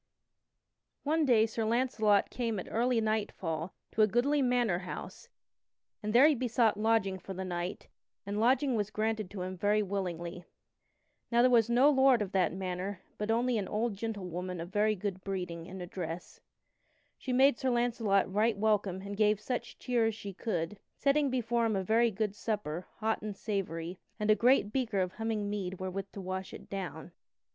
_ One day Sir Launcelot came at early nightfall to a goodly manor house and there he besought lodging for the night, and lodging was granted to him very willingly. [Sidenote: The old gentlewoman makes Sir Launcelot welcome] Now there was no lord of that manor, but only an old gentlewoman of very good breeding and address. She made Sir Launcelot right welcome and gave such cheer as she could, setting before him a very good supper, hot and savory, and a great beaker of humming mead wherewith to wash it down.